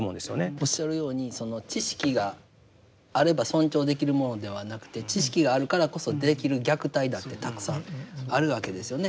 おっしゃるようにその知識があれば尊重できるものではなくて知識があるからこそできる虐待だってたくさんあるわけですよね。